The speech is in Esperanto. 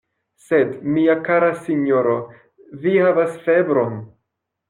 Sed, mia kara sinjoro, vi havas febron!